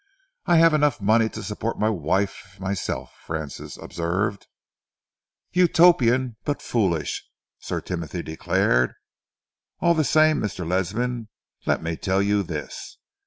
"I have enough money to support my wife myself," Francis observed. "Utopian but foolish," Sir Timothy declared. "All the same, Mr. Ledsam, let me tell you this.